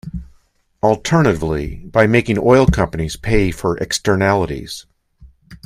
Alternatively, by making oil companies pay for externalities.